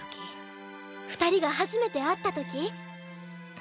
２人が初めて会った時？